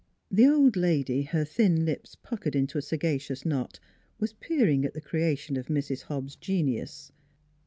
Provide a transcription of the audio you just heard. The old lady, her thin lips puckered into a saga cious knot, was peering at the creation of Mrs. Hobbs' genius.